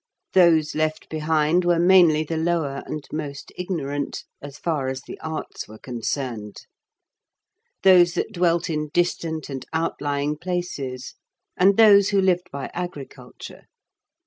Those left behind were mainly the lower and most ignorant, so far as the arts were concerned; those that dwelt in distant and outlying places; and those who lived by agriculture.